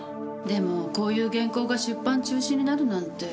でもこういう原稿が出版中止になるなんて。